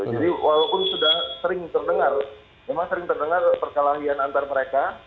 jadi walaupun sudah sering terdengar memang sering terdengar perkelahian antar mereka